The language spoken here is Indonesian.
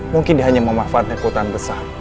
mungkin dia hanya memanfaatkan hutan besar